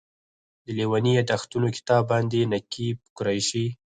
د لېوني یادښتونو کتاب باندې نقیب قریشي.